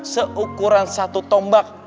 seukuran satu tombak